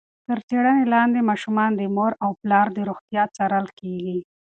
تر څېړنې لاندې ماشومان د مور او پلار د روغتیا څارل کېږي.